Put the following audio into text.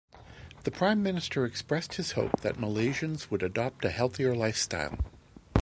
The Prime Minister expressed his hope that Malaysians would adopt a healthier lifestyle.